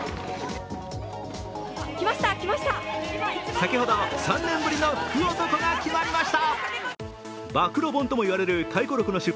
先ほど、３年ぶりの福男が決まりました。